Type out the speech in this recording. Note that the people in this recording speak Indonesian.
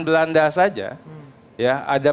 belanda saja ya ada